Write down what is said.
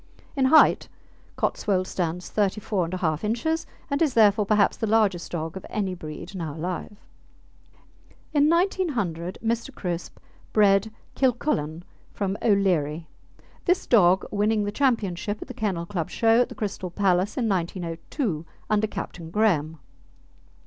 In height Cotswold stands 34 1/2 inches and is therefore perhaps the largest dog of any breed now alive. In 1900 Mr. Crisp bred Kilcullen from O'Leary, this dog winning the championship at the Kennel Club Show at the Crystal Palace in 1902 under Captain Graham.